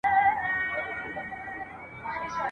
موږ له خپل نصیبه له وزر سره راغلي یو ..